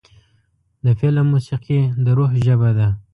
د فلم موسیقي د روح ژبه ده.